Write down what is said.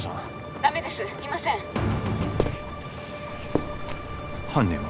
ダメですいません犯人は？